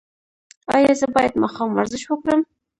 ایا زه باید ماښام ورزش وکړم؟